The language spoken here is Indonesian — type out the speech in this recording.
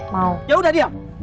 mau ya udah diam